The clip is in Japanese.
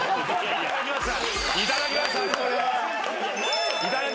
いただきました！